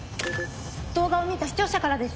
動画を見た視聴者からです。